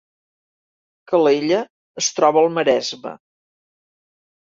Calella es troba al Maresme